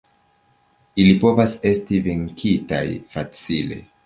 Ili povas esti venkitaj facile.